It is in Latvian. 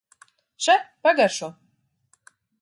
Še, pagaršo!